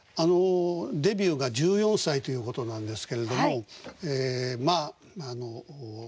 デビューが１４歳ということなんですけれどもまああの「スター誕生！」